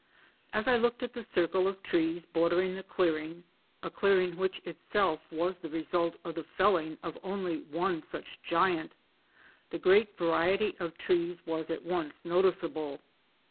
As I looked at the circle of trees bordering the clearing — a clearing which itself was the result of the felling of only one such giant — the great variety of trees was at once noticeable.